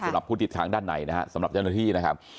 สำหรับผู้ติดทางด้านในนะฮะสำหรับเจ้าหน้าที่นะครับ